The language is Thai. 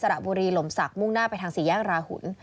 ระบุรีหล่มศักดิ์มุ่งหน้าไปทางสี่แยกราหุ่น